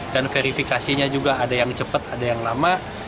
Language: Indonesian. dan verifikasinya juga ada yang cepat ada yang lama